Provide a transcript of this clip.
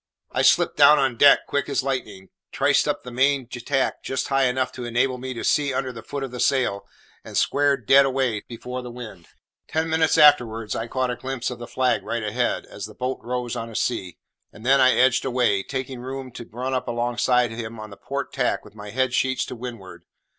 I slipped down on deck, quick as lightning, triced up the main tack just high enough to enable me to see under the foot of the sail, and squared dead away before the wind. Ten minutes afterwards I caught a glimpse of the flag right ahead, as the boat rose on a sea; and then I edged away, taking room to run up alongside him on the port tack with my head sheets to windward.